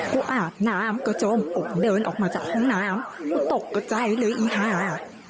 อาบน้ำก็จมอกเดินออกมาจากห้องน้ำกูตกกระใจเลยอีฮา